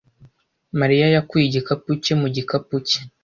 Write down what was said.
Mariya yakuye igikapu cye mu gikapu cye.